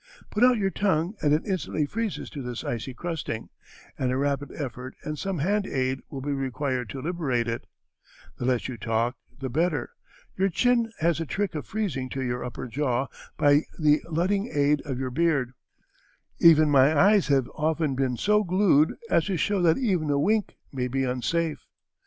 Put out your tongue and it instantly freezes to this icy crusting, and a rapid effort and some hand aid will be required to liberate it. The less you talk the better. Your chin has a trick of freezing to your upper jaw by the luting aid of your beard; even my eyes have often been so glued as to show that even a wink may be unsafe."